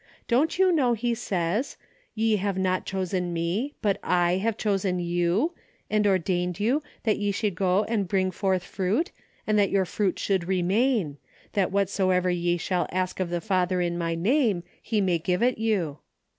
Don't you know he says, ' Ye have not chosen me, but I have chosen you, and ordained you, that ye should go and bring forth fruit, and that your fruit should remain : that whatsoever ye shall ask of the Father in my name, he may give it you.